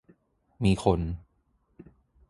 มีคน